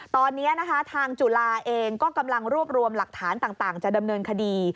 ตอนนี้นะคะทางจุฬาเองก็กำลังรวบรวมหลักฐานต่างจะดำเนินคดี